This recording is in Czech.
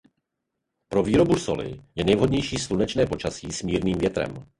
Pro výrobu soli je nejvhodnější slunečné počasí s mírným větrem.